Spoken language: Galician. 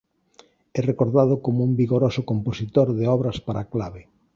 É recordado como un vigoroso compositor de obras para clave.